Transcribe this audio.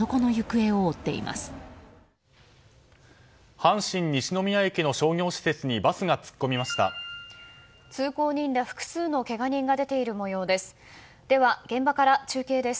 阪神西宮駅の商業施設に通行人ら複数のけが人が出ている模様です。